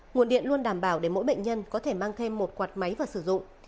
nguồn điện luôn đảm bảo để mỗi bệnh nhân có thể mang thêm một quạt máy và sử dụng